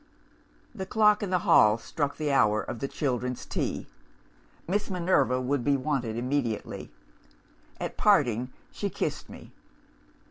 "The clock in the hall struck the hour of the children's tea. Miss Minerva would be wanted immediately. At parting, she kissed me.